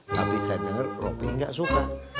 tapi saya denger rovi'i gak suka